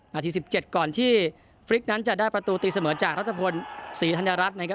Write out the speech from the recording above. นาทีสิบเจ็ดก่อนที่ฟริกนั้นจะได้ประตูตีเสมอจากรัฐพลศรีธรรยะรัฐนะครับ